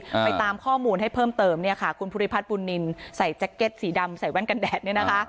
ไปตามข้อมูลให้เพิ่มเติมเนี่ยค่ะคุณภูริพัฒน์บุญนินใส่แจ็คเก็ตสีดำใส่แว่นกันแดดเนี่ยนะคะ